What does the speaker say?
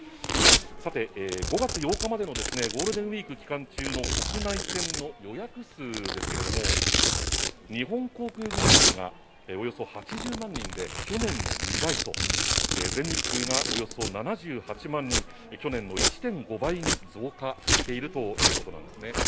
さて、５月８日までのゴールデンウィーク期間中の国内線の予約数ですけれども日本航空グループがおよそ８０万人で去年の２倍全日空がおよそ７８万人去年の１．５倍に増加しているということなんですね。